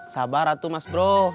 sabar atuh mas bro